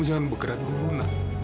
jangan bergerak ke rumah